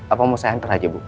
apa mau saya inter aja bu